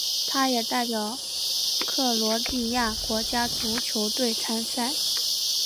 他也代表克罗地亚国家足球队参赛。